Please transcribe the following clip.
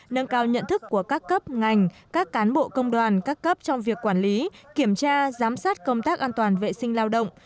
nâng cao nhận thức của các cấp ngành các cán bộ công đoàn các cấp trong việc quản lý kiểm tra giám sát công tác an toàn vệ sinh lao động